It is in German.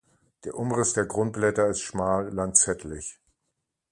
Der Umriss der Grundblätter ist schmal lanzettlich.